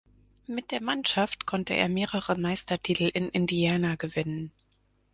Mit der Mannschaft konnte er mehrere Meistertitel in Indiana gewinnen.